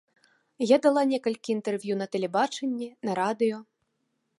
Я дала некалькі інтэрв'ю на тэлебачанні, на радыё.